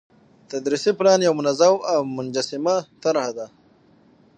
تدريسي پلان يو منظم او منسجمه طرحه ده،